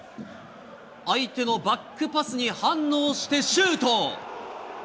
相手のバックパスに反応してシュート。